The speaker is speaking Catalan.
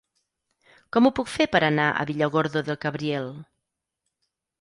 Com ho puc fer per anar a Villargordo del Cabriel?